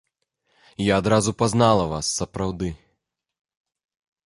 Я адразу пазнала вас, сапраўды.